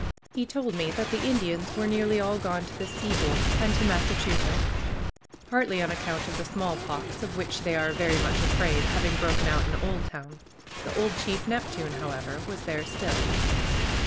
He told me that the Indians were nearly all gone to the seaboard and to Massachusetts, partly on account of the smallpox, of which they are very much afraid, having broken out in Oldtown. The old chief Neptune, however, was there still.